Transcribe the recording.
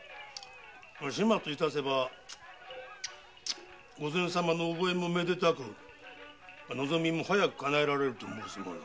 始末致せば御前様の覚えもめでたく望みも早くかなえられると申すもの。